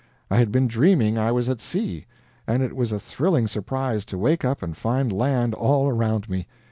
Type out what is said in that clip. I had been dreaming I was at sea, and it was a thrilling surprise to wake up and find land all around me.